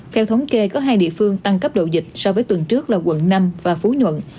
theo thống kê có hai địa phương tăng cấp độ dịch so với tuần trước là quận năm và phú nhuận